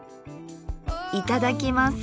いただきます！